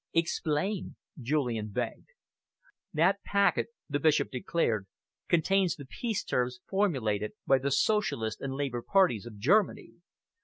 "Explain," Julian begged. "That packet," the Bishop declared, "contains the peace terms formulated by the Socialist and Labour parties of Germany."